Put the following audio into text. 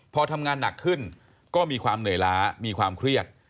พอทำงานหนักขึ้นก็มีความเหนื่อยล้ามีความเครียด